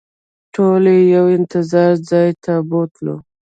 ټول یې یو انتظار ځای ته بوتلو.